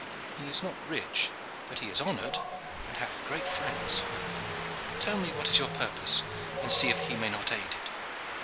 He is not rich, but he is honored and hath great friends. Tell me what is your purpose, and see if he may not aid it."